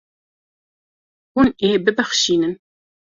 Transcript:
Hûn ê bibexşînin.